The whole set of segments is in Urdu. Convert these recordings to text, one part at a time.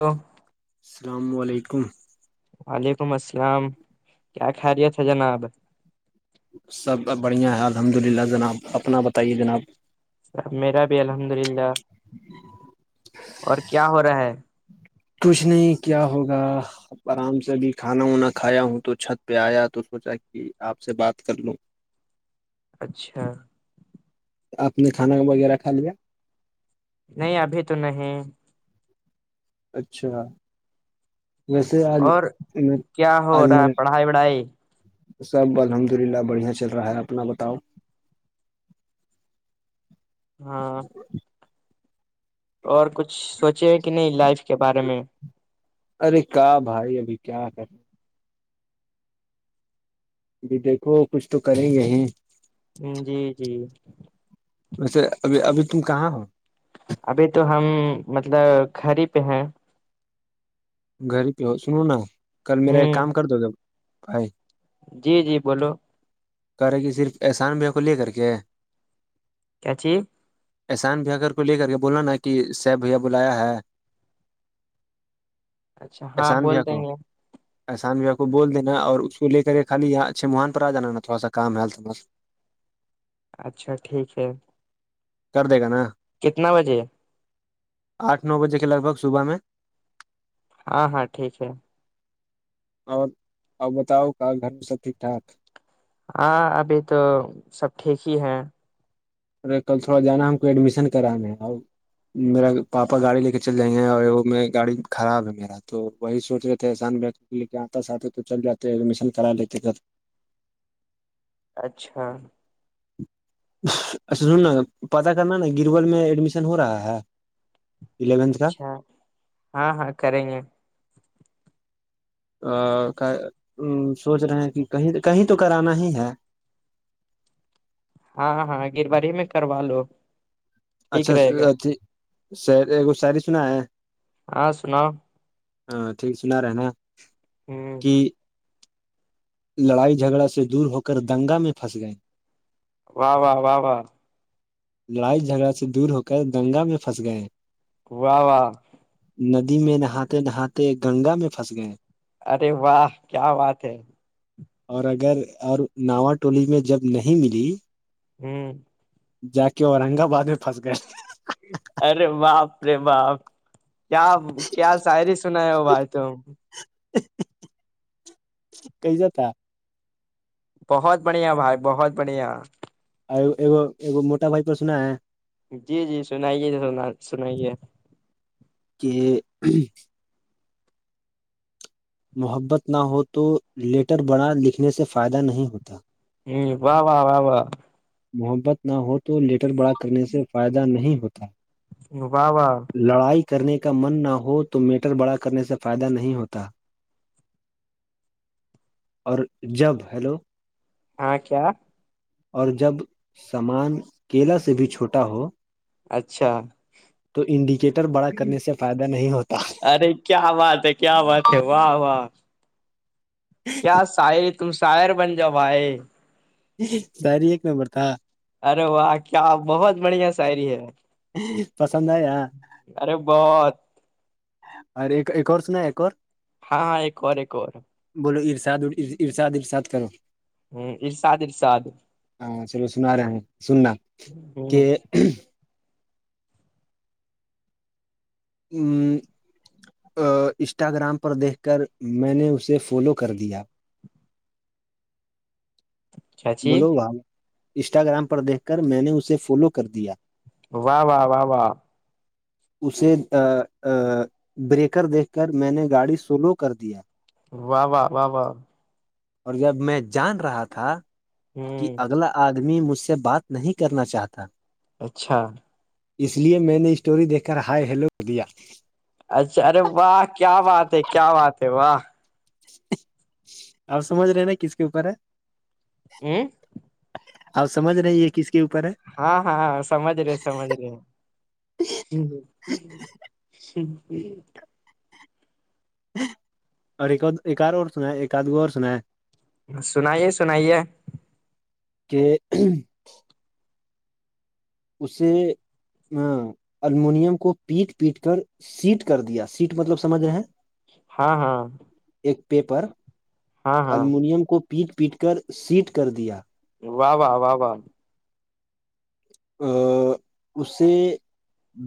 تو السلام علیکم وعلیکم السلام کیا خیریت ہے جناب سب بڑھیاں ہے الحمد للہ جناب اپنا بتائیے جناب میرا بھی الحمد للہ اور کیا ہو رہا ہے کچھ نہیں کیا ہوگا آرام سے بھی کھانا وانا کھایا ہوں تو چھت پہ آیا تو سوچا کہ آپ سے بات کر لو اچھا آپ نے کھانا وغیرہ کھا لیا نہیں ابھی تو نہیں اچھا ویسے آج اور میں کیا ہو آج رہا میں ہے نے پڑھائی وڑھائی سب الحمد للہ بڑھیا چل رہا ہے اپنا بتاؤ ہاں اور کچھ سوچے کہ نہیں لائف کے بارے میں ارے کا بھائی ابھی کیا کرے ج دیکھو کچھ تو کریں گ ہیں جی جی ویسے ابھی ابھی تم کہاں ہو ابھی تو ہم مطلب گڑی پہ ہیں گھر پہ ہو سنو نا کل میرا ایک ہ کام کر دو جب بھائی جی جی بولو کرے کہ صرف احسان بھی کو لے کر کے کیاچی احسان بھیا کر کو لے کر کے بولا نا کہ صیب بھیا بولایا ہے اچھا ہاں احسان بھیھیا بول دیں کو گے احسان بھیھیا کو بول دینا اور اس کو لے کر کے خالیاں چھ موہان پر آ جانا نا تھوڑا سا کام ہےم اچھا ٹھیک ہے کر دے گا نا کتنا بجے آٹھ نو بجے کے لگ بگ صبح میں ہاں ہاں ٹھیک ہے اور اور بتاؤ کہ گھر میں سب ٹھیک ٹھاک ہاں ابھی تو سب ٹھیک ہی ہے ارے کل تھوڑا جانا ہم کو ایڈمیشن کرانے ہے اور میرا پاپا گاڑی لے کے چل جائے ہیں اور وہ گاڑی خراب ہے میرا تو وہی سوچ رہ تھے احسان بھی ل آتا ساتھ تو چل جاتے ایڈمیشن کرا لیتے اچھا اچھا سننا پتا کرنا نا گرول میں ایڈمیشن ہو رہا ہے الیونتھ کا [unintelligible] ہاں ہاں ہاں کریں گے ا سوچ رہے ہیں کہ کہیں کہیں تو کرانا ہی ہے ہاں ہاں گرواری میں کروا لو ٹھیک اچھا رہے گا اھی س ساری سنا ہے ہاں سناؤ ہاں ٹھیک سنا رہے نا ہ کہ لڑائی جھگڑا سے دور ہو کر دنگا میں پھنس گئے واہ واہ واہ واہ لڑائی جھگڑا سے دور ہو کر دنگا میں پھنس گئے واہ واہ ندی میں نہاتے نہاتے گنگا میں پھنس گئے ارے واہ کیا بات ہے اور اگر اور ناوا ٹولی میں جب نہیں ملی ہوں [unintelligible] جا کے اورنگ آباد میں پھنس گئے تھے ارے باپ رے باپ کیا کیا شاعری سنا ہے وہ بھائی تو کئی جاتا بہت بڑھیا بھائی بہت بڑھیا گ ایگو موٹا بھائی پر سنا ہے جی جی سنائیے سنا سنائیے کہ محبت نہ ہو تو لیٹر بڑا لکھنے سے فائدہ نہیں ہوتا ہ و واہ و و محبت نہ ہو تو لیٹر بڑا کرنے سے فائدہ نہیں ہوتا بابا لڑائی کرنے کا من نہ ہو تو میٹر بڑا کرنے سے فائدہ نہیں ہوتا اور جب ہیلو ہاں کیا اور جب سامان کیلا سے بھی چھوٹا ہو اچھا تو انڈیکیٹر بڑا کرنے سے فائدہ نہیں ہوتا ارے کیا بات ہے کیا بات ہے واہ واہ کیا شاعر تم شاعر بن جاؤ آائے ساری ایک نمبر تھا ارے واہ کیا بہت بڑھیا ساعری ہے پسند آ ار ارے بہت ار ایکورسنا ایکور ہاں ہاں ایک اورار ایک اورور بولو ارشاد ا ارشاد ارشاد کرو ہ ارشاد ارشاد ہاں چلو سنا رہے ہیں سننا ہ کہ [unintelligible] ہ انسٹاگرام پر دیکھ کر میں نے اسے فالو کر دیا چاچی بولو بھائی انسٹاگرام پر دیکھ کر میں نے اسے فالو کر دیا و واہ واہ واہ اسے بریکر دیکھ کر میں نے گاڑی سلو کر دیا و واہ و واہ اور جب میں جان رہا تھا ہ کہ اگلا آدمی مجھ سے بات نہیں کرنا چاہتا اچھا اس لیے میں نے اسٹوری دیکھ کر ہائے ہیلو دیا اچھا ارے واہ کیا بات ہے کیا بات ہے واہ آپ سمجھ رہے ہیں نا کس کے اوپر ہے ا [unintelligible] آپ سمجھ رہ یہ کس کے اوپر ہے ہاں ہاں سمج رہے سمج رہے ج ج [unintelligible] اور ایک ایک اورار اور سنا ہے ایک آد اور سنا ہے سنائیے سنائیے کہ اسے ا الومنیم کو پیٹ پیٹ کر سیٹ کر دیا سیٹ مطلب سمجھ رہے ہاں ہاں ایک پیپر ہاں ہاں الومینم کو پیٹ پیٹ کر سیٹ کر دیا واہ واہ واہ واہ ا اسی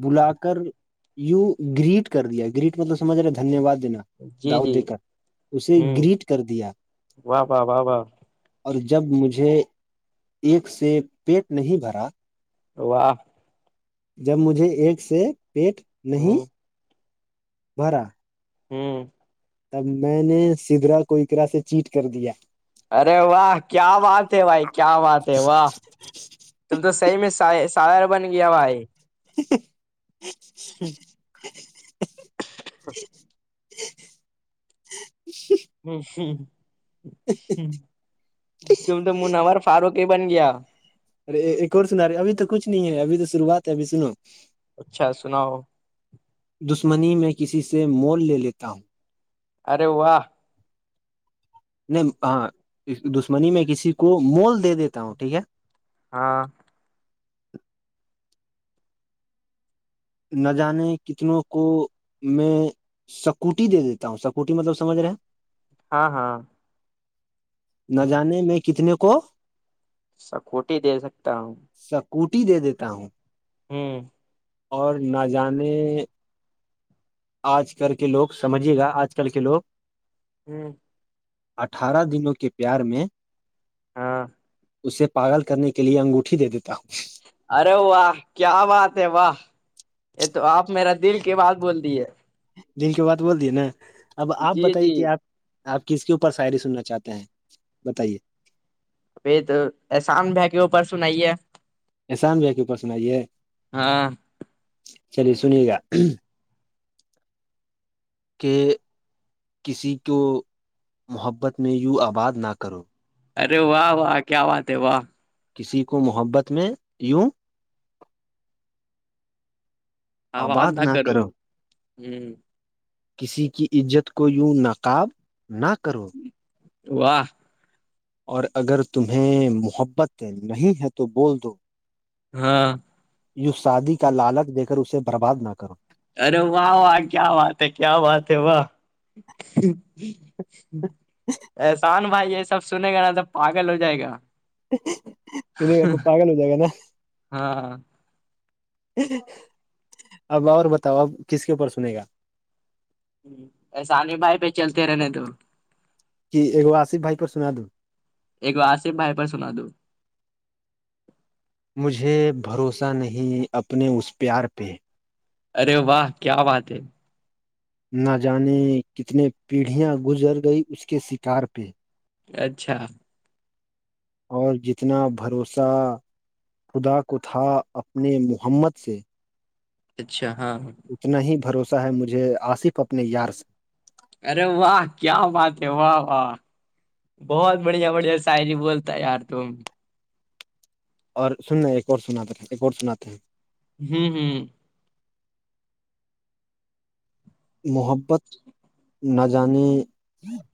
بلا کر یو گریٹ کر دیا گریٹ مطلب سمجھ رہے دھنیہ واد دینا جی داؤ جی دے کر اسے ہ گریٹ کر دیا واہ واہ واہ واہ اور جب مجھے ایک سے پیٹ نہیں بھرا واہ جب مجھے ایک سے پیٹ نہیں ہ بھرا ہوں تب میں نے سدرا کوئکرا سے چیٹ کر دیا ارے واہ کیا بات ہے بھائی کیا بات ہے واہ تم تو صحی میں سار بن گیا ہوا ہے جٹیک ہے ہ ہ توم تو منار فاروق ہی بن گیا ارے ایک اور سنا رہی ابھی تو کچھ نہیں ہے ابھی تو شروعات ہے ابھی سنو اچھا سناؤ دشمنی میں کسی سے مول لے لیتا ہوں ارے واہ نہیں ہاں دشمنی میں کسی کو مول دے دیتا ہوں ٹھیک ہے ہاں نہ جانے کتنوں کو میں سکوٹی دے دیتا ہوں سکوٹی مطلب سمجھ رہے ہیں ہاں ہاں نہ جانے میں کتنے کو سا کوٹی دے سکتا ہوں سکوٹی دے دیتا ہوں ہوں اور نہ جانے آج کل کے لوگ سمجھیے گا آج کل کے لوگ ہوں اٹھارہ دنوں کے پیار میں ہاں اسے پاگل کرنے کے لیے انگوٹھی دے دیتا ہوں ارے و کیا بات ہے و یہ تو آپ میرا دل کی بات بول دیے دن کے بع بول دیے نا اب آپ جی جی بتائیے کہ آپ آپ کس کے اوپر شاعری سننا چاہتے ہیں بتائیے ب تو احسان ب کہ وہو پرس سنائیے احسان بھ کےپس سنائیے ہاں چلیے سنیے گا کہ کسی کو محبت میں یوں آباد نہ کرو ارے واہ واہ کیا بات ہے واہ کسی کو محبت میں یوں ہاںوات نہ کرو ہوں کسی کی عزت کو یوں نقاب نہ کرو واہ اور اگر تمہیں محبت نہیں ہے تو بول دو ہاں یو سعادی کا لالک دے کر اسے برباد نہ کرو ارے واہ واہ کیا بات ہے کیا بات ہے واہ احسان بھائی یہ سب سنے گا نا توب پاگل ہو جائے گا ت نہیں تو پاگل ہو جائے گا نا ہاں اب اور بتاؤ اب کس کے اوپر سنے گا ایسانی بھائی پہ چلتے رہنے تو کہگو آصف بھائی پ سنا دووں ایک آصف بھائی پر سنا دووں مجھے بھروسہ نہیں اپنے اس پیار پہ ارے واہ کیا بات ہے نہ جانے کتنے پیڑھیاں گزر گئی اس کے شکار پہ اچھا اور جتنا بھروسہ خدا کو تھا اپنے محمد سے اچھا ہاںاں اتنا ہی بھروسہ ہے مجھے آصف اپنے یار سے ارے واہ کیا بات ہے واہ واہ بہت بڑھیا بڑھیا شاعری بولتا ہے یار تم اور سننا ایک اور سناتے ہیں ایک اور سناتے ہیں ہوں ہ محبت نہ جانے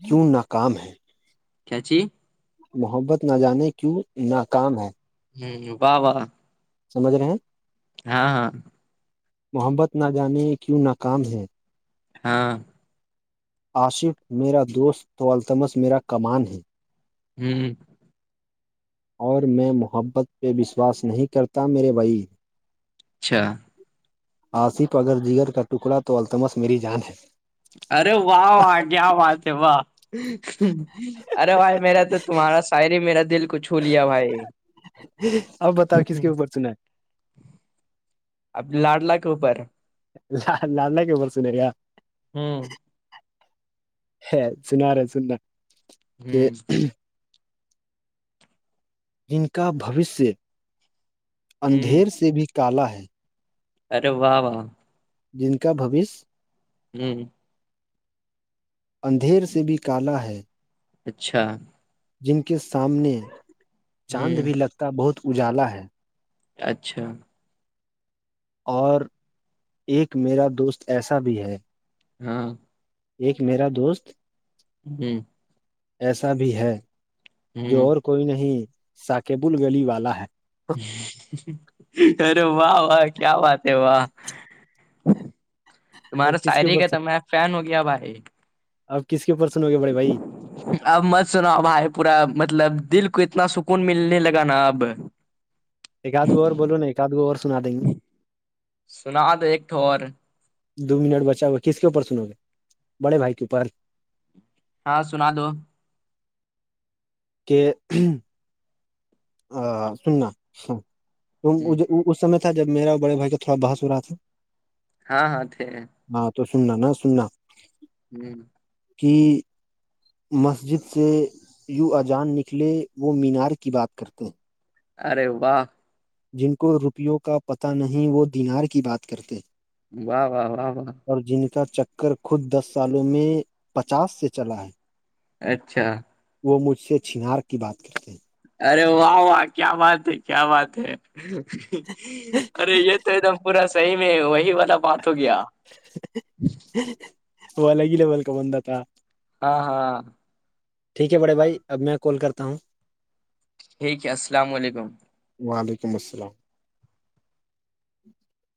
کیوں ناکام ہیں کیاچی محبت نہ جانے کیوں ناکام ہے ہ و واہ سمجھ رہے ہیں ہاں ہاں محبت نہ جانے کیوں ناکام ہے ہاں آصف میرا دوست تو التمس میرا کمان ہے ہی اور میں محبت پہ وشواس نہیں کرتا میرے بھائی اچھا آصف اگر جگر کا ٹکڑا تو التمس میری جان ہے ارے واہ کیا بات ہے واہ ارے بھائی میرا تو تمہارا شاعری میرا دل کچھ چولیا بھائی اب بتاؤ کس کے اوپر سنا اب لاڈلہ کے اوپر ل لان ل کے برس نیرا ہوں ہے سن رہ ہے سنا کہ ہوں جن کا بوشیہ ہوں اندھیر سے بھی کالا ہے ارے واہ واہ جن کا بوشیہ جی اندھیر سے بھی کالا ہے اچھا جن کے سامنے چاند ہوں بھی لگتا بہت اجالا ہے اچھا اور ایک میرا دوست ایسا بھی ہے ہاں ایک میرا دوست جی ایسا بھی ہے جو ہوں اور کوئی نہیں ساکیبل گلی والا ہے ارے واہ واہ کیا بات ہے واہ تمہارا اب کس کے شعری کا اوپر تھا میں فین ہو گیا بھائی اب کس کے پرسن ہو گیا بڑے بھائی اب مت سنا ہو بھائی پورا مطلب دل کو اتنا سکون ملنے لگا نا اب [inaudible] ایک آدھ گو اور بولو نا ایک آدھ گو اور سنا دیں گے سنا دو ایک اور دو منٹ بچا ہوا کس کے اوپر سنو گے بڑے بھائی کے اوپر ہاں سنا لو [inaudible] ا سننا اس سمے تھا جب میرا بڑے بھائی کا تھوڑا بحث ہو رہا تھا ہاں ہاں تھ ہاں تو سننا ن سننا ہوں کہ مسجد سے یوں اجان نکلے وہ مینار کی بات کرتے ہیں ارے وا جن کو روپیوں کا پتہ نہیں وہ دینار کی بات کرتے واہ واہ واہ واہ اور جینی کا چکر خود دس سالوں میں پچاس سے چلا ہے اچھا وہ مجھ سے چنار کی بات کرتے ہیں ارے واہ و کیا بات ہے کیا بات ہے ہیں ارے یہ تو ایک دم پورا صحیح میں وہی والا بات ہو گیا وہ الگ ہی ل بول کا بندہ تھا ہاں ہاں ٹھیک ہے بڑے بھائی اب میں کال کرتا ہوں اسلاملیکم والیکماسلام